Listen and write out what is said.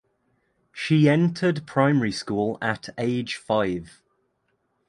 She entered primary school at age five.